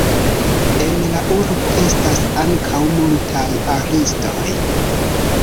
En la urbo estas ankaŭ multaj artistoj.